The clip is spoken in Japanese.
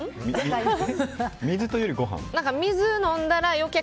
水飲んだらご飯？